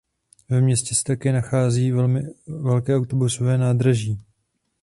Ve městě se také nachází velké autobusové nádraží.